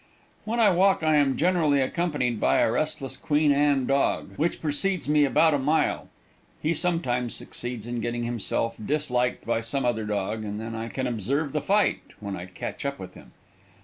When I walk I am generally accompanied by a restless Queen Anne dog, which precedes me about a mile. He sometimes succeeds in getting himself disliked by some other dog and then I can observe the fight when I catch up with him.